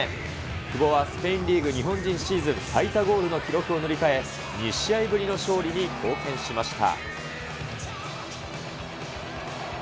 久保はスペインリーグ日本人シーズン最多ゴールの記録を塗り替え、２試合ぶりの勝利に貢献しました。